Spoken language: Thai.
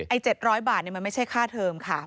๗๐๐บาทมันไม่ใช่ค่าเทิมค่ะ